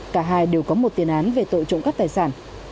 cả hai đều có một tiền án về tội trộm cắp tài sản